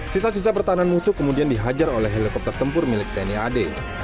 sisa sisa pertahanan musuh kemudian dihajar oleh helikopter tempur milik tni ad